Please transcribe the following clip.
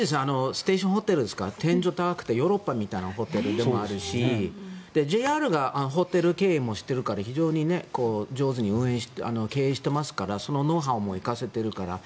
ステーションホテルは天井が高くてヨーロッパみたいなホテルだしＪＲがホテル経営もしているから非常に上手に経営しているからそのノウハウも生かせてるから。